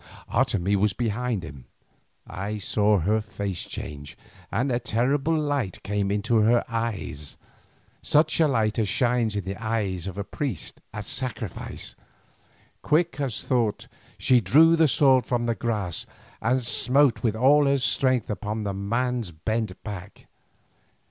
Otomie was behind him. I saw her face change and a terrible light came into her eyes, such a light as shines in the eyes of the priest at sacrifice. Quick as thought she drew the sword from the grass and smote with all her strength upon the man's bent neck.